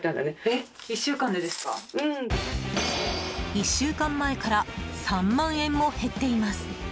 １週間前から３万円も減っています。